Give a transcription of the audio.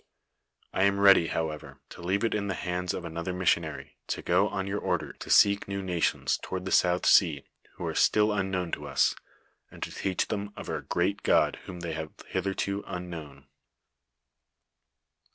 I am ready, however, to leave it in the hands of another missionary to go on your order to seek new nations toward the south sea who are still unknown to us, and to teach them of our great God whom they have hitherto unknown."